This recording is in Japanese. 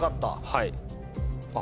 はい。